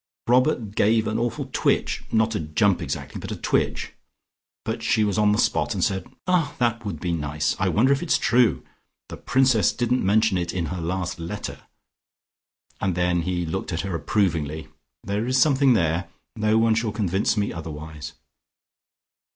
"Robert gave an awful twitch, not a jump exactly, but a twitch. But she was on the spot and said, 'Ah, that would be nice. I wonder if it's true. The Princess didn't mention it in her last letter.' And then he looked at her approvingly. There is something there, no one shall convince me otherwise."